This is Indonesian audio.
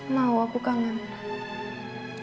mau aku kangen